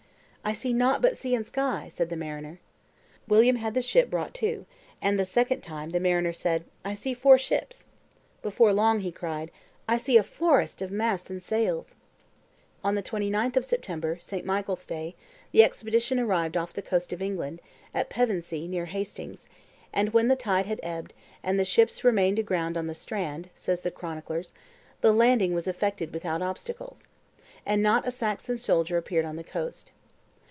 "I see nought but sea and sky," said the mariner. William had the ship brought to; and, the second time, the mariner said, "I see four ships." Before long he cried, "I see a forest of masts and sails." On the 29th of September, St. Michael's day, the expedition arrived off the coast of England, at Pevensey, near Hastings, and "when the tide had ebbed, and the ships remained aground on the strand," says the chronicles the landing was effected without obstacle; not a Saxon soldier appeared on the coast.